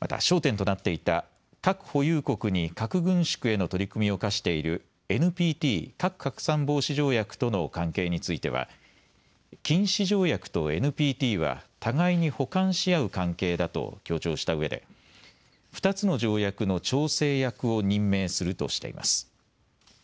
また焦点となっていた核保有国に核軍縮への取り組みを課しているＮＰＴ・核拡散防止条約との関係については禁止条約とＮＰＴは互いに補完し合う関係だと強調したうえで２つの条約の調整役を任命するとしています。